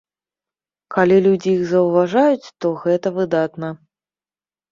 Калі людзі іх заўважаюць, то гэта выдатна.